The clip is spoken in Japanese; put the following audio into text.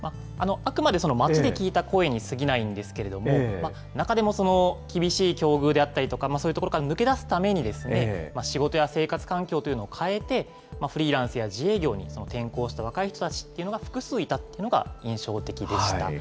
あくまで街で聞いた声にすぎないんですけれども、中でも厳しい境遇であったりとか、そういうところから抜け出すために、仕事や生活環境というのを変えて、フリーランスや自営業に転向した若い人たちというのが複数いたというのが、印象的でした。